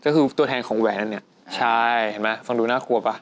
ก็คือตัวแทนของแหวนอันเนี้ยใช่เห็นไหมฟังดูน่ากลัวป่ะ